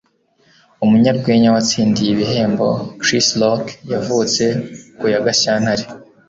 Umunyarwenya watsindiye ibihembo Chris Rock yavutse ku ya Gashyantare .